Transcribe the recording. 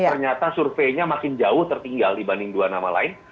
ternyata surveinya makin jauh tertinggal dibanding dua nama lain